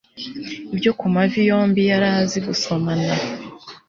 Ibyo kumavi yombi yari azi gusomana